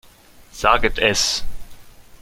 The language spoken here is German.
Saget es!